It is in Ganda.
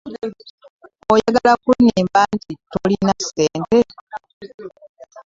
Oyagala kunnimba mbu tolina ssente?